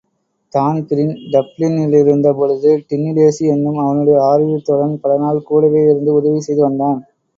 Dan Breen டப்ளினிலிருந்த பொழுது டின்னிலேஸி என்னும் அவனுடைய ஆருயிர்த் தோழன் பலநாள் கூடவேயிருந்து உதவி செய்து வந்தான்.